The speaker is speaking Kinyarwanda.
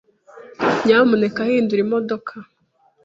Nyamuneka hindura imodoka.